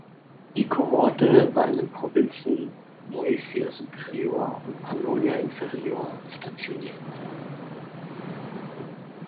Die Kohorte war in den Provinzen Moesia superior und Pannonia inferior stationiert.